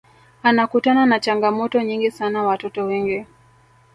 anakutana na changamoto nyingi sana watoto wengi